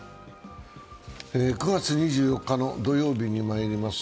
９月２４日の土曜日に参ります